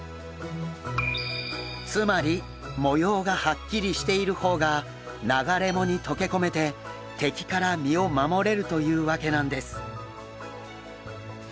つまり模様がはっきりしている方が流れ藻にとけ込めて敵から身を守れるというわけなんです。